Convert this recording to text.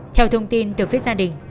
theo thông tin từ phía gia đình